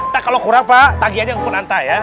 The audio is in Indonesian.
ntar kalo kurang pak tagi aja kukun anta ya